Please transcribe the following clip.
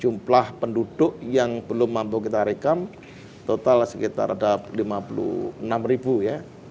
jumlah penduduk yang belum mampu kita rekam total sekitar ada lima puluh enam ribu ya